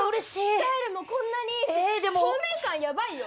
スタイルもこんなにいいし透明感ヤバいよ！